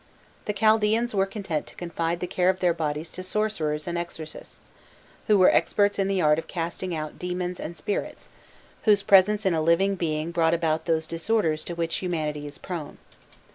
The Chaldaeans were content to confide the care of their bodies to sorcerers and exorcists, who were experts in the art of casting out demons and spirits, whose presence in a living being brought about those disorders to which humanity is prone.